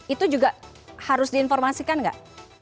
itu juga harus diinformasikan nggak